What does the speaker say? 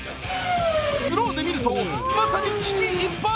スローで見るとまさに危機一髪！